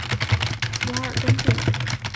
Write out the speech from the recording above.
瓦尔东布。